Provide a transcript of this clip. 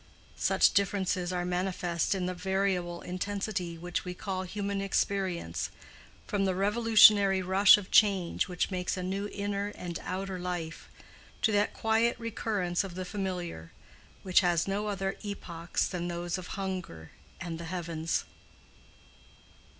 Such differences are manifest in the variable intensity which we call human experience, from the revolutionary rush of change which makes a new inner and outer life, to that quiet recurrence of the familiar, which has no other epochs than those of hunger and the heavens.